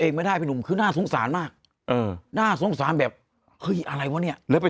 เองไม่ได้พี่หนุ่มคือน่าสงสารมากน่าสงสารแบบอะไรวะเนี่ยไป